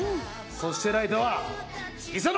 そしてライトは磯野！